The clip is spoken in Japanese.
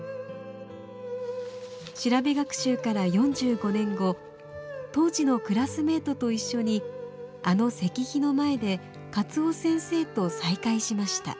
調べ学習から４５年後当時のクラスメートと一緒にあの石碑の前で勝尾先生と再会しました。